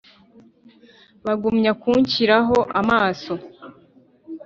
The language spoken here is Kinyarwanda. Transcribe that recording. bagumya kunshyiraho amaso